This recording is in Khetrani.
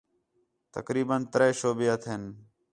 تقریباً تریہہ شعبے ہتھین